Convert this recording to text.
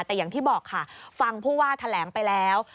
แต่อย่างที่บอกค่ะฟังผู้ว่าแถลงไปแล้ว